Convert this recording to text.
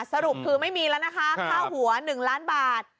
สรุปคือไม่มีละนะคะข้าวหัวหนึ่งล้านบาท